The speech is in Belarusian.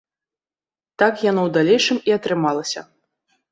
Так яно ў далейшым і атрымалася.